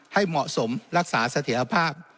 ให้เหมาะสมรักษาเสถียรภาพ